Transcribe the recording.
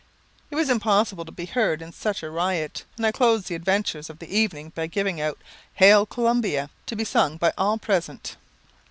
It was impossible to be heard in such a riot, and I closed the adventures of the evening by giving out "'Hail, Columbia,' to be sung by all present."